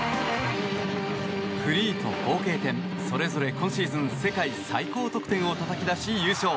フリーと合計点、それぞれ今シーズン世界最高得点をたたき出し優勝。